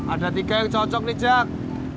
ada tiga yang cocok nijak